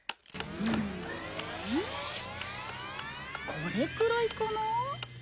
これくらいかな？